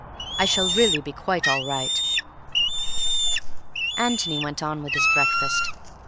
I shall really be quite all right." Antony went on with his breakfast.